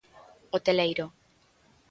Hoteleiro.